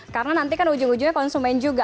karena nanti kan ujung ujungnya konsumen juga